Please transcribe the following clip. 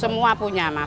semua punya mbak